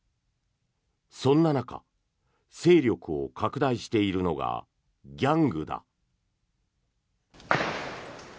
そんな中勢力を拡大しているのがギャングだ。